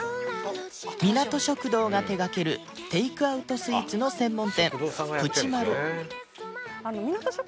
みなと食堂が手掛けるテイクアウトスイーツの専門店みなと食堂さんはね